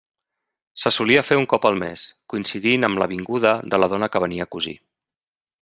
Se solia fer un cop al mes, coincidint amb la vinguda de la dona que venia a cosir.